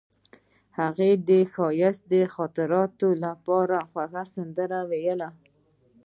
هغې د ښایسته خاطرو لپاره د خوږ غزل سندره ویله.